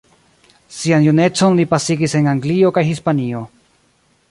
Sian junecon li pasigis en Anglio kaj Hispanio.